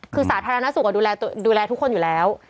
คือสาธารณสุขดูแลทุกคนอยู่แล้ว